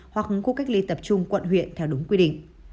hoặc khu cách ly tập trung quận huyện theo đúng quy định